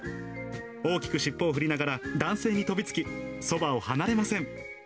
大きく尻尾を振りながら、男性に飛びつき、そばを離れません。